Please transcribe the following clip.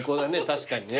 確かにね。